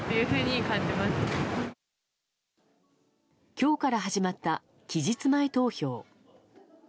今日から始まった期日前投票。